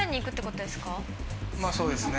まあそうですね。